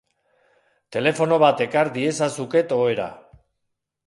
Telefono bat ekar diezazuket ohera.